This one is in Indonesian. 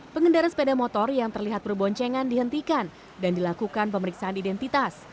pengendara sepeda motor yang terlihat berboncengan dihentikan dan dilakukan pemeriksaan identitas